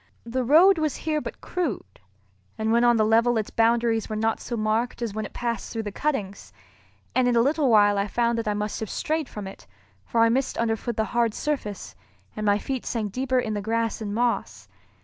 The road was here but crude, and when on the level its boundaries were not so marked as when it passed through the cuttings; and in a little while I found that I must have strayed from it, for I missed underfoot the hard surface, and my feet sank deeper in the grass and moss.